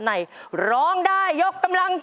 ในร้องได้ยกกำลัง